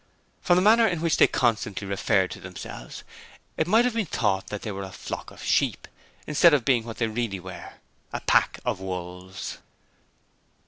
From the manner in which they constantly referred to themselves, it might have been thought that they were a flock of sheep instead of being what they really were a pack of wolves.